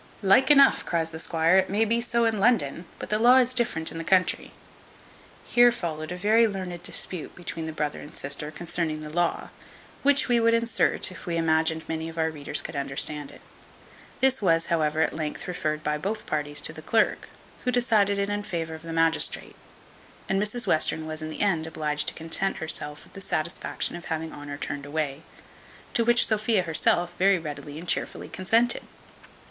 "Like enough," cries the squire; "it may be so in London; but the law is different in the country." Here followed a very learned dispute between the brother and sister concerning the law, which we would insert, if we imagined many of our readers could understand it. This was, however, at length referred by both parties to the clerk, who decided it in favour of the magistrate; and Mrs Western was, in the end, obliged to content herself with the satisfaction of having Honour turned away; to which Sophia herself very readily and cheerfully consented.